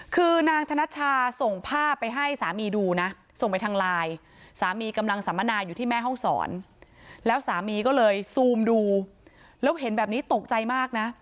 คือนางธนชาส่งภาพไปให้สามีดูนะส่งไปทางไลน์สามีกำลังสัมมนาอยู่ที่แม่ห้องศรแล้วสามีก็เลยซูมดูแล้วเห็นแบบนี้ตกใจมากนะ